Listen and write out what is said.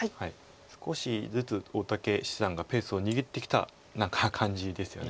少しずつ大竹七段がペースを握ってきた何か感じですよね。